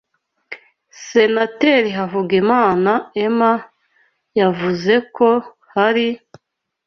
Senateri Havugimana ema yavuze ko hari